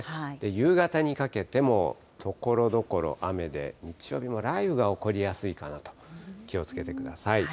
夕方にかけても、ところどころ雨で、日曜日も雷雨が起こりやすいかなと、気をつけてください。